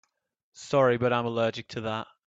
Sorry but I'm allergic to that.